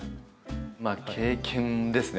まあ経験ですね